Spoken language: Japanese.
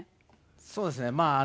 そうですね。